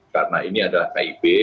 karena ini adalah kib